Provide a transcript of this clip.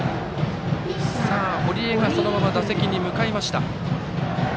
堀江が、そのまま打席に向かいました。